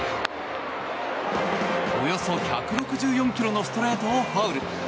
およそ１６４ｋｍのストレートをファウル。